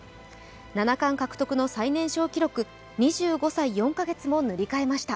七冠獲得の最年少記録、２５歳４か月も塗り替えました。